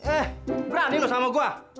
eh berani lo sama gua